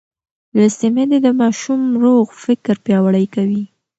لوستې میندې د ماشوم روغ فکر پیاوړی کوي.